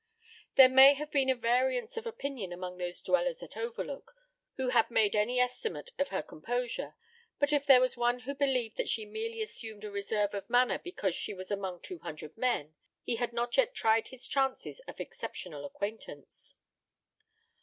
There may have been a variance of opinion among those dwellers at Overlook who had made any estimate of her composure, but if there was one who believed that she merely assumed a reserve of manner because she was among two hundred men, he had not yet tried his chances of exceptional acquaintance.